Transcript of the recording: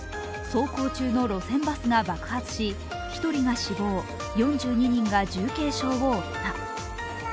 走行中の路線バスが爆発し１人が死亡、４２人が重軽傷を負った。